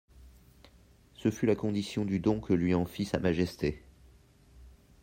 Ce fut la condition du don que lui en fit Sa Majesté.